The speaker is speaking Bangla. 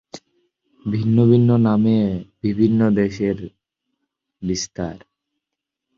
ভিন্ন ভিন্ন নামে বিভিন্ন দেশে এর বিস্তার।